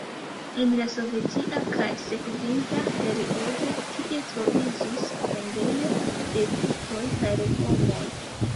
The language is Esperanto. En la sovetia kaj sekvinta periodo tie troviĝis vendejo de fruktoj kaj legomoj.